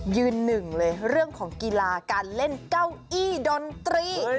ยืนหนึ่งเลยเรื่องของกีฬาการเล่นเก้าอี้ดนตรี